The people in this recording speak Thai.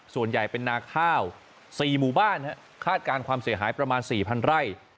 ส่วนใหญ่เป็นนาข้าว๔หมู่บ้านคาดการณ์ความเสียหายประมาณ๔๐๐ไร่